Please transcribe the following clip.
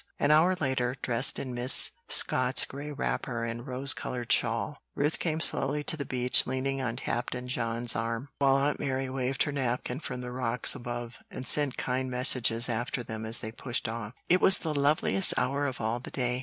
An hour later, dressed in Miss Scott's gray wrapper and rose colored shawl, Ruth came slowly to the beach leaning on Captain John's arm, while Aunt Mary waved her napkin from the rocks above, and sent kind messages after them as they pushed off. It was the loveliest hour of all the day.